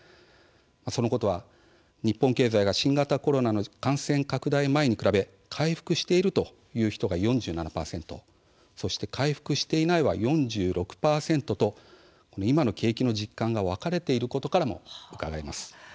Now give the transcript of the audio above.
そのことは日本経済が新型コロナの感染拡大前に比べ回復しているという人は４７％、そして回復していないは４６％と今の景気の実感が分かれていることからもうかがえます。